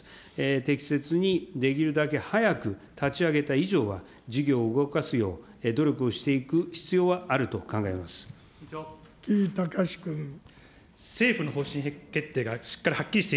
適切にできるだけ早く立ち上げた以上は、事業を動かすよう努力をしていく必要はあると考えます。